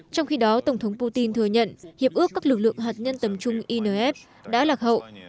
trong khi đó tổng thống putin thừa nhận hiệp ước các lực lượng hạt nhân tầm trung inf đã lạc hậu